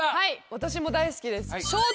私も大好きです。